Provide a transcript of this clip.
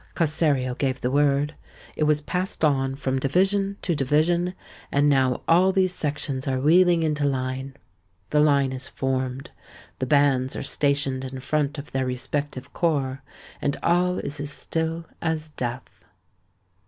Cossario gave the word—it was passed on from division to division; and now all these sections are wheeling into line. The line is formed—the bands are stationed in front of their respective corps: and all is as still as death.